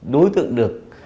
đối tượng được